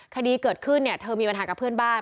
คดีเกิดขึ้นเนี่ยเธอมีปัญหากับเพื่อนบ้าน